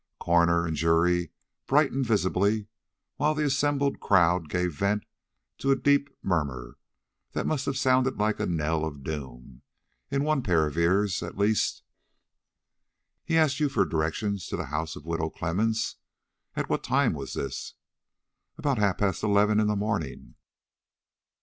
Coroner and jury brightened visibly, while the assembled crowd gave vent to a deep murmur, that must have sounded like a knell of doom in one pair of ears, at least. "He asked you for directions to the house of Widow Clemmens. At what time was this?" "At about half past eleven in the morning."